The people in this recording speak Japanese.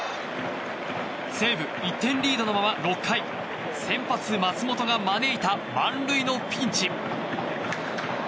西武、１点リードのまま６回先発、松本が招いた満塁のピンチ。